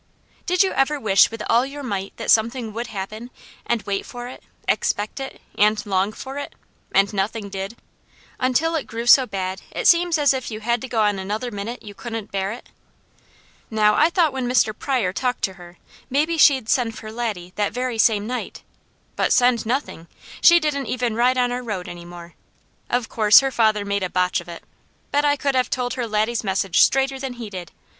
Did you ever wish with all your might that something would happen, and wait for it, expect it, and long for it, and nothing did, until it grew so bad, it seemed as if you had to go on another minute you couldn't bear it? Now I thought when Mr. Pryor talked to her, maybe she'd send for Laddie that very same night; but send nothing! She didn't even ride on our road any more. Of course her father had made a botch of it! Bet I could have told her Laddie's message straighter than he did.